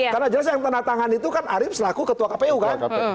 karena jelas yang tanda tangan itu kan arief selaku ketua kpu kan